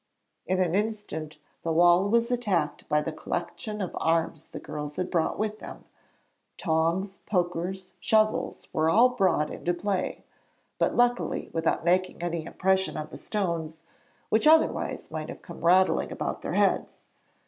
In an instant the wall was attacked by the collection of arms the girls had brought with them. Tongs, pokers, shovels were all brought into play, but luckily without making any impression on the stones, which otherwise might have come rattling about their heads.